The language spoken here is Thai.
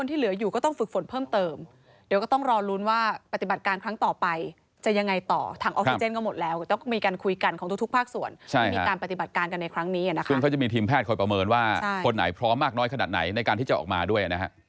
ซึ่งเขาจะมีทีมแพทย์คอยประเมินว่าคนไหนพร้อมมากน้อยขนาดไหนในการที่จะออกมาด้วยนะฮะ